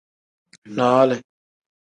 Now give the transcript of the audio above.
Noole.